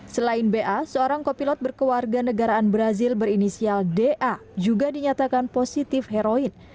selain ba seorang kopilot berkewarga negaraan brazil berinisial da juga dinyatakan positif heroin